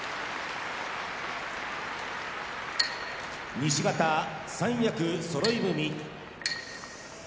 西方三役そろい踏み。